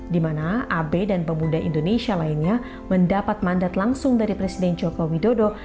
di mana abe dan pemuda indonesia lainnya mendapat mandat langsung dari presiden joko widodo